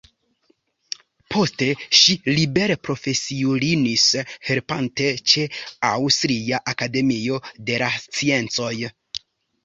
Poste ŝi liberprofesiulinis helpante ĉe "Aŭstria akademio de la sciencoj".